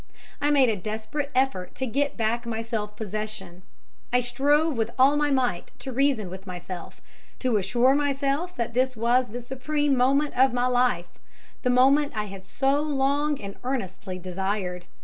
I made a desperate effort to get back my self possession; I strove with all my might to reason with myself, to assure myself that this was the supreme moment of my life, the moment I had so long and earnestly desired.